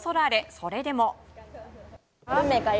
それでも。